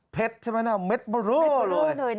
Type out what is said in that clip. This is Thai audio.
เผ็ดใช่ไหมนะเม็ดมารั่วเลย